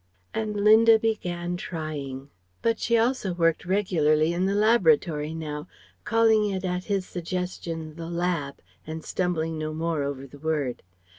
And Linda began trying. But she also worked regularly in the laboratory now, calling it at his suggestion the lab, and stumbling no more over the word.